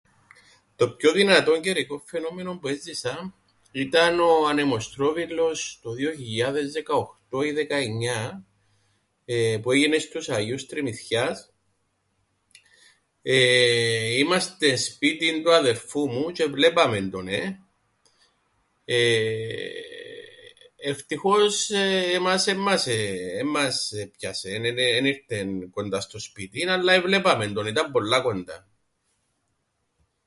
Το πιο δυνατόν καιρικόν φαινόμενον που έζησα ήταν ο ανεμοστρόβιλος το δύο χιλιάδες δεκαοχτώ ή δεκαεννιά εεε... που έγινεν στους Αγιούς Τριμιθιάς εεε... ήμαστεν σπίτιν του αδερφού μου τζ̆αι εβλέπαμεν τονε εεε.. ευτυχώς εμάς εν μας... εν μας έπιασεν, ενε- εν ήρτεν κοντά στο σπίτιν αλλά εβλέπαμεν τον. Ήταν πολλά κοντά.